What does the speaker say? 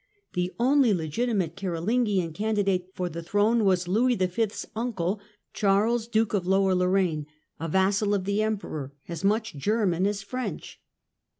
The only legitimate Carolingian candidate for the throne was Louis V.'s uncle, Charles, Duke of Lower Lorraine, a vassal of the Emperor, as much German as French.